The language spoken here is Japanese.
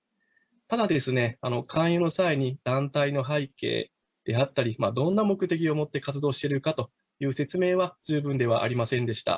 ただですね、勧誘の際に団体の背景であったり、どんな目的を持って活動してるかという説明は十分ではありませんでした。